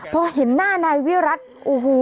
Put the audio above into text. พอเห็นหน้านายวิรัติโอ้โห